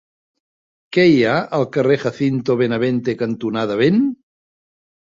Què hi ha al carrer Jacinto Benavente cantonada Vent?